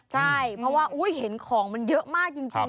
ใช่เพราะว่าเห็นของมันเยอะมากจริง